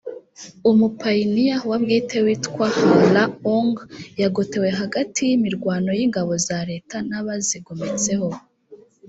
umupayiniya wa bwite witwa hla aung yagotewe hagati y’imirwano y’ingabo za leta n’abazigometseho